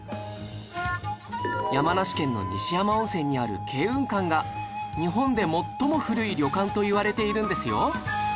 山梨県の西山温泉にある慶雲館が日本で最も古い旅館といわれているんですよ